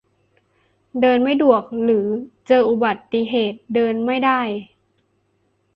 เดินไม่ดวก หรือเจออุบัติเหตุ เดินไม่ได้